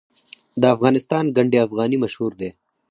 د افغانستان ګنډ افغاني مشهور دی